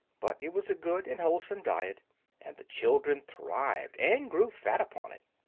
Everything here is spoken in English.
But it was a good and wholesome diet, and the children thrived and grew fat upon it.